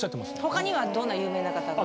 他にはどんな有名な方が？